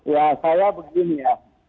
ya saya begini ya